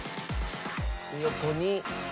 横に。